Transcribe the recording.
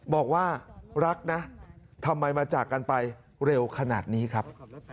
บอกว่ารักนะทำไมมาจากกันไปเร็วขนาดนี้ครับ